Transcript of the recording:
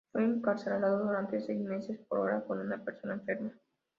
Fue encarcelado durante seis meses por orar con una persona enferma.